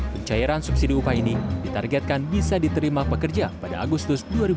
pencairan subsidi upah ini ditargetkan bisa diterima pekerja pada agustus dua ribu dua puluh